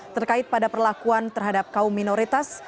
terkait pada perlakuan terhadap kaum minoritas